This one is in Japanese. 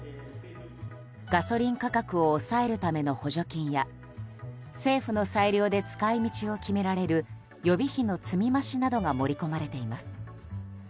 ガソリン価格を抑えるための補助金や政府の裁量で使い道を決められる予備費の積み増しなどが盛り込まれています。